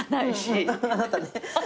あなたね。